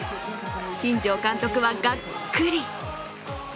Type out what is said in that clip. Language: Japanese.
新庄監督はがっくり。